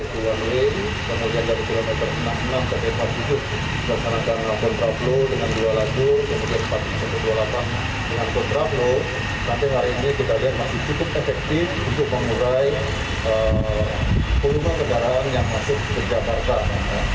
kepada kondisi kendaraan yang terjadi di jawa barat jawa barat menunjukkan keadaan yang terjadi di jawa barat